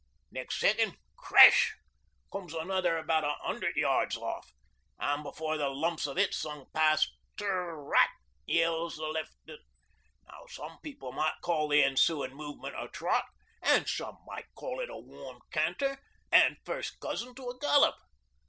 'Next second, "Crash!" comes another about a hundred yards off, an' before the lumps of it sung past, "Ter r rot!" yells the Left'nant. Now some people might call the en sooin' movement a trot, an' some might call it a warm canter an' first cousin to a gallop.